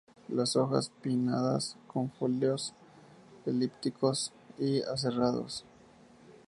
Las hojas pinnadas, con folíolos elípticos y aserrados.